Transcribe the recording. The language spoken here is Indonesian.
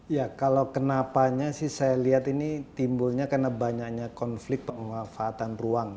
ya kalau kenapanya sih saya lihat ini timbulnya karena banyaknya konflik pemanfaatan ruang